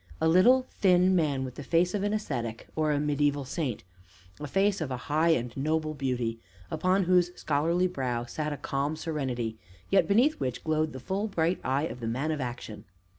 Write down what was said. A little, thin man with the face of an ascetic, or mediaeval saint, a face of a high and noble beauty, upon whose scholarly brow sat a calm serenity, yet beneath which glowed the full, bright eye of the man of action.